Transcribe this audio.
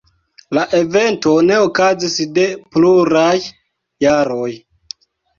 La evento ne okazis de pluraj jaroj.